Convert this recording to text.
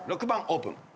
６番オープン。